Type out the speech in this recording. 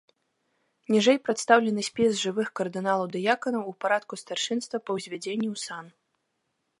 Ніжэй прадстаўлены спіс жывых кардыналаў-дыяканаў у парадку старшынства па ўзвядзенні ў сан.